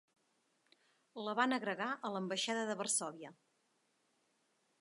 La van agregar a l'ambaixada de Varsòvia.